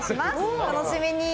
お楽しみに。